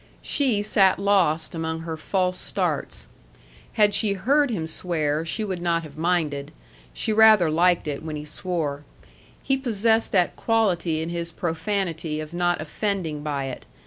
She sat lost among her false starts. Had she heard him swear, she would not have minded. She rather liked it when he swore. He possessed that quality in his profanity of not offending by it.